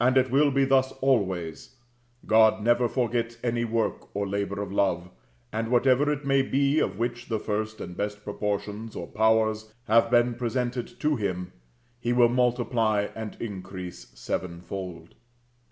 And it will be thus always: God never forgets any work or labor of love; and whatever it may be of which the first and best proportions or powers have been presented to Him, he will multiply and increase sevenfold.